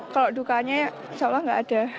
kalau dukanya insya allah gak ada